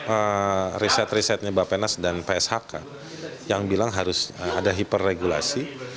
ada riset risetnya bapenas dan pshk yang bilang harus ada hiperregulasi